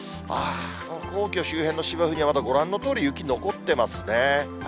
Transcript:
ああ、皇居周辺の芝生にはまだご覧のとおり、雪残ってますね。